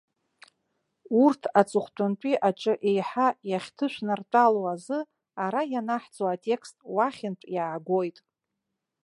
Урҭ аҵыхәтәантәи аҿы еиҳа иахьҭышәнартәалоу азы, ара ианаҳҵо атекст уахьынтә иаагоит.